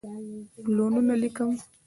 پلونه لیکم